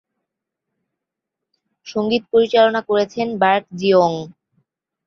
সঙ্গীত পরিচালনা করেছেন বার্ক জি-ওঙ।